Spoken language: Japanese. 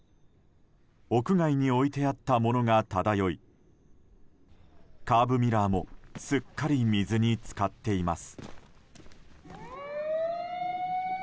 屋外に置いてあったものが漂いカーブミラーもすっかり水に浸かっています。